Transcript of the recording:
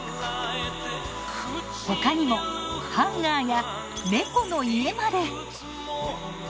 他にもハンガーや猫の家まで。